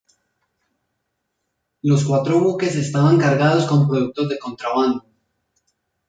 Los cuatro buques estaban cargados con productos de contrabando.